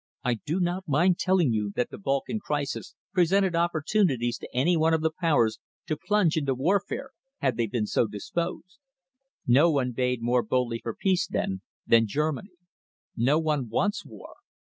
I do not mind telling you that the Balkan crisis presented opportunities to any one of the Powers to plunge into warfare, had they been so disposed. No one bade more boldly for peace then than Germany. No one wants war.